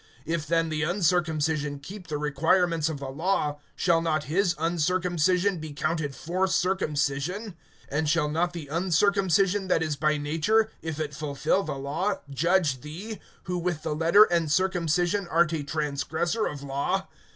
(26)If then the uncircumcision keep the requirements of the law, shall not his uncircumcision be counted for circumcision? (27)And shall not the uncircumcision that is by nature, if it fulfill the law, judge thee, who with the letter and circumcision art a transgressor of law?